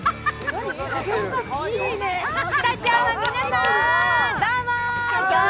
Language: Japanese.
スタジオの皆さー、どうもー！